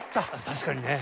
確かにね。